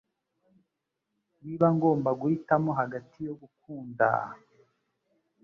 Niba ngomba guhitamo hagati yo gukundaa